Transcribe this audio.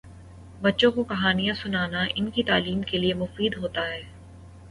بچوں کو کہانیاں سنانا ان کی تعلیم کے لئے مفید ہوتا ہے۔